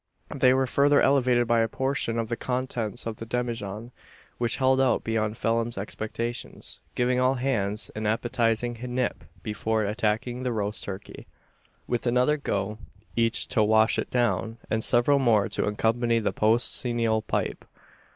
They were further elevated by a portion of the contents of the demijohn, which held out beyond Phelim's expectations: giving all hands an appetising "nip" before attacking the roast turkey, with another go each to wash it down, and several more to accompany the post cenal pipe.